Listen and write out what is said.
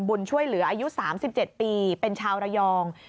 บุญช่วยเหลืออายุ๓๗ปีเป็นชาวระยอง